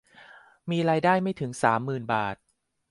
มีรายได้ไม่ถึง สามหมื่น บาท